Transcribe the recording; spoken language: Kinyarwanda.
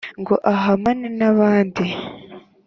ngo ahamane n’abandi,